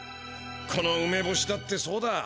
このうめぼしだってそうだ。